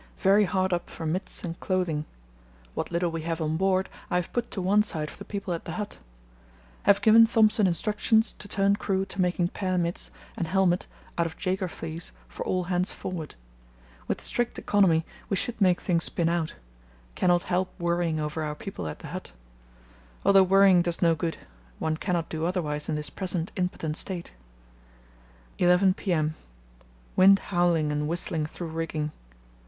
Very hard up for mitts and clothing. What little we have on board I have put to one side for the people at the hut. Have given Thompson instructions to turn crew to making pair mitts and helmet out of Jaeger fleece for all hands forward. With strict economy we should make things spin out; cannot help worrying over our people at the hut. Although worrying does no good, one cannot do otherwise in this present impotent state. 11 p.m.—Wind howling and whistling through rigging.